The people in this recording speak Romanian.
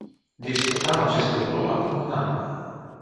Discutam acest lucru acum un an.